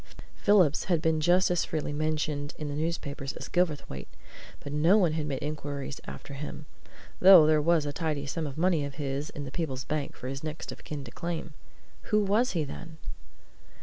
Phillips had been just as freely mentioned in the newspapers as Gilverthwaite; but no one had made inquiries after him, though there was a tidy sum of money of his in the Peebles bank for his next of kin to claim. Who was he, then?